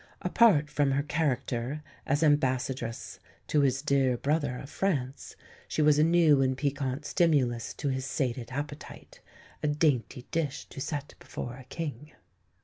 Apart from her character as ambassadress to his "dear brother" of France, she was a new and piquant stimulus to his sated appetite a "dainty dish to set before a King."